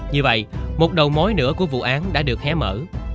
như vậy một đầu mối nữa của vụ án đã được hé mở